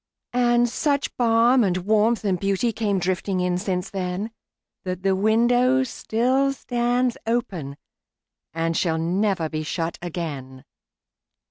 And such balm and warmth and beautyCame drifting in since then, That the window still stands openAnd shall never be shut again.